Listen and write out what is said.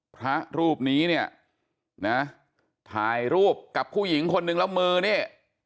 พระรูปนี้เนี่ยนะถ่ายรูปกับผู้หญิงคนนึงแล้วมือนี่